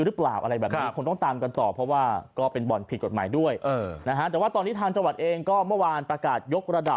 แต่เรื่องจากมันมีจำนวนมากแล้วต้องมีความระเอียด